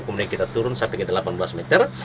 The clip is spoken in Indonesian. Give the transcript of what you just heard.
kemudian kita turun sampai ke delapan belas meter